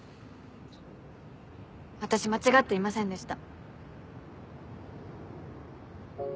私間違っていませんでした。